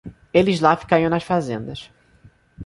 Eles lá ficariam nas fazendas.